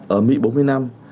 ở mỹ bốn mươi năm